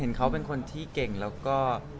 เขาเป็นคนที่เก่งแล้วก็